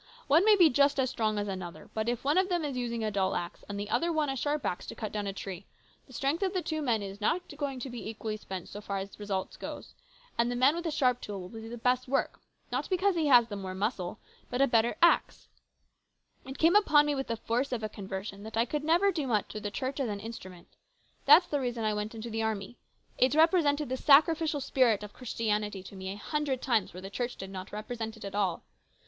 One may be just as strong as another, but if one of them is using a dull axe and the other one a sharp axe to cut down a tree, the strength of the two men is not being equally spent so far as getting results goes, and the man with the sharp tool will do the best work, not because he has more muscle, but a better axe. It came upon me with the force of a conversion that I never could do much through the Church as an instrument. That's the reason I went into the army. It represented the sacrificial spirit of Christianity to me a hundred times where the Church did not represent it at all.